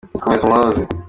komeza umwoze.